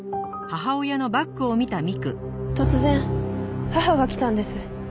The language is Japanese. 突然母が来たんです。